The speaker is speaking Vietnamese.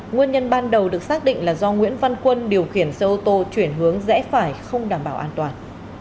nguyên nhân ban đầu được xác định là do nguyễn văn quân điều khiển xe ô tô chuyển hướng rẽ phải không đảm bảo an toàn